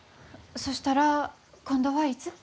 そしたら今度はいつ？